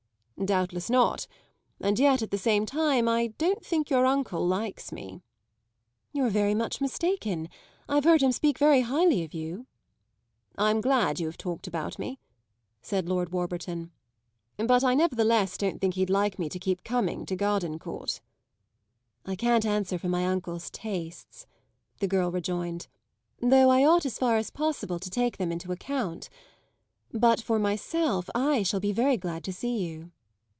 "Doubtless not; and yet, at the same time, I don't think your uncle likes me." "You're very much mistaken. I've heard him speak very highly of you." "I'm glad you have talked about me," said Lord Warburton. "But, I nevertheless don't think he'd like me to keep coming to Gardencourt." "I can't answer for my uncle's tastes," the girl rejoined, "though I ought as far as possible to take them into account. But for myself I shall be very glad to see you."